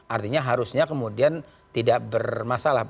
artinya harusnya kemudian tidak bermasalah